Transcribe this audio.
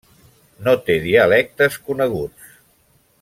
No té dialectes coneguts.